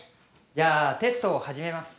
じゃあテストを始めます。